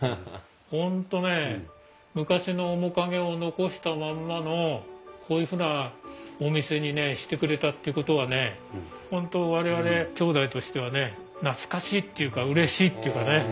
本当ね昔の面影を残したまんまのこういうふうなお店にしてくれたっていうことはね本当我々兄弟としてはね懐かしいっていうかうれしいっていうかね。